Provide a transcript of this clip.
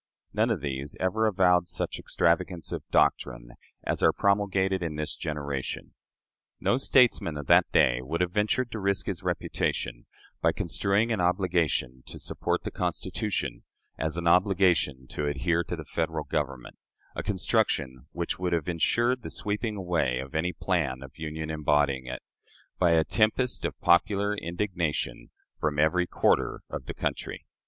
None of these ever avowed such extravagances of doctrine as are promulgated in this generation. No statesman of that day would have ventured to risk his reputation by construing an obligation to support the Constitution as an obligation to adhere to the Federal Government a construction which would have insured the sweeping away of any plan of union embodying it, by a tempest of popular indignation from every quarter of the country.